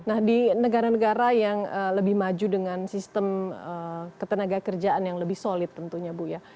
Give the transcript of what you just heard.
nah di negara negara yang lebih maju dengan sistem ketenaga kerjaan yang lebih solid tentunya bu ya